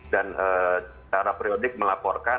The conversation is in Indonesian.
dan secara periodik melakukan